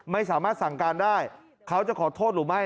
ไม่สามารถสั่งการได้เขาจะขอโทษหรือไม่